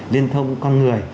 liên thông con người